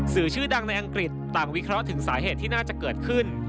สื่อชื่อดังในอังกฤษต่างวิเคราะห์ถึงสาเหตุที่น่าจะเกิดขึ้น